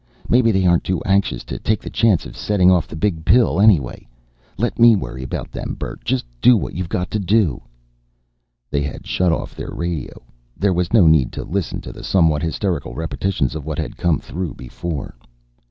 "Maybe they aren't too anxious to take the chance of setting off the Big Pill, anyway. Let me worry about them, Bert. Just do what you've got to do...." They had shut off their radio. There was no need to listen to the somewhat hysterical repetitions of what had come through before.